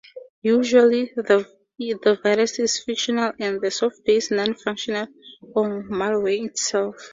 Usually the virus is fictional and the software is non-functional or malware itself.